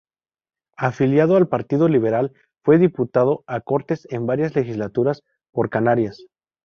Afiliado al Partido Liberal, fue diputado a Cortes en varias legislaturas por Canarias.